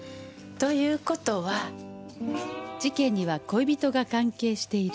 という事は事件には恋人が関係している。